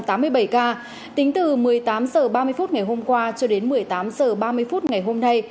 tính từ một mươi tám h ba mươi phút ngày hôm qua cho đến một mươi tám h ba mươi phút ngày hôm nay